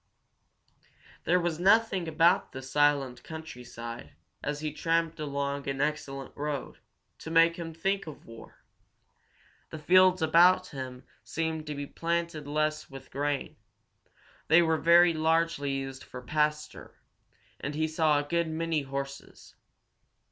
There was nothing about the silent countryside, as he tramped along an excellent road, to make him think of war. The fields about him seemed to be planted less with grain; they were very largely used for pasture, and he saw a good many horses.